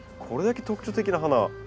これだけ特徴的な花